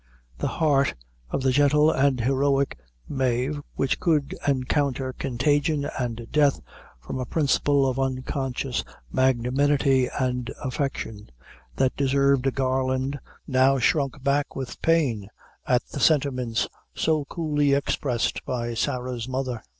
The heart of the gentle and heroic Mave, which could encounter contagion and death, from a principle of unconscious magnanimity and affection, that deserved a garland, now shrunk back with pain at the sentiments so coolly expressed by Sarah's mother.